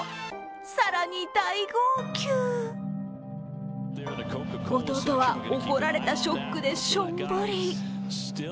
更に大号泣弟は怒られたショックでしょんぼり。